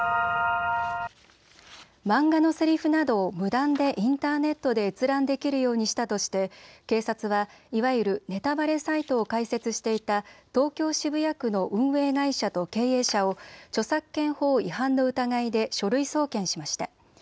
漫画のせりふなどを無断でインターネットで閲覧できるようにしたとして警察は、いわゆるネタバレサイトを開設していた東京渋谷区の運営会社と経営者を著作権法違反の疑いで書類送検しました。